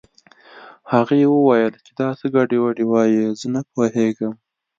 هغې وويل چې دا څه ګډې وډې وايې زه نه پوهېږم